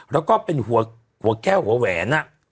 แล้วก็เป็นหัวแก้วหัวแหวน